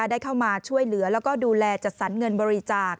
ได้เข้ามาช่วยเหลือแล้วก็ดูแลจัดสรรเงินบริจาค